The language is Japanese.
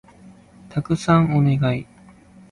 たくさんお願い